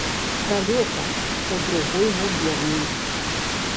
Далёка, у другой губерні.